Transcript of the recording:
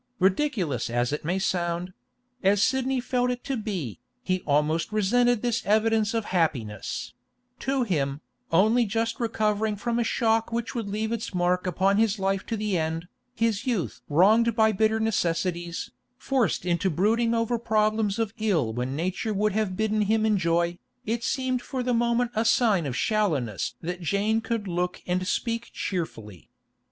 Ridiculous as it may sound—as Sidney felt it to be—he almost resented this evidence of happiness; to him, only just recovering from a shock which would leave its mark upon his life to the end, his youth wronged by bitter necessities, forced into brooding over problems of ill when nature would have bidden him enjoy, it seemed for the moment a sign of shallowness that Jane could look and speak cheerfully.